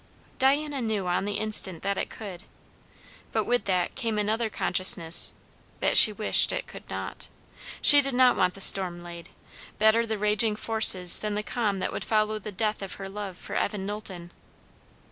Diana knew on the instant that it could; but with that came another consciousness that she wished it could not. She did not want the storm laid. Better the raging forces than the calm that would follow the death of her love for Evan Knowlton.